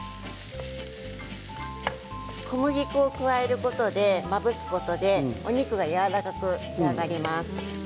小麦粉を加えることでまぶすことでお肉がやわらかく仕上がります。